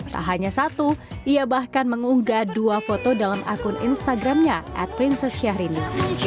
tak hanya satu ia bahkan mengunggah dua foto dalam akun instagramnya atprinsessyahrini